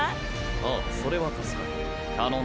ああそれは助かる。